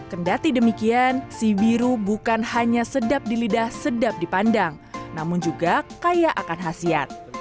kendati demikian si biru bukan hanya sedap di lidah sedap dipandang namun juga kaya akan khasiat